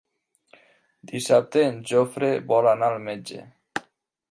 Dissabte en Jofre vol anar al metge.